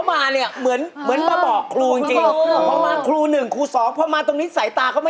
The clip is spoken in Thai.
น่าเสียเลยเมื่อกี้น่าเสียเลยอ่ะ